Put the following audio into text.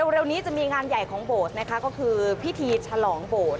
เร็วนี้จะมีงานใหญ่ของโบสถ์นะคะก็คือพิธีฉลองโบสถ